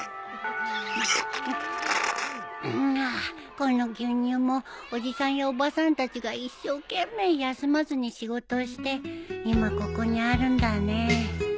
この牛乳もおじさんやおばさんたちが一生懸命休まずに仕事をして今ここにあるんだね。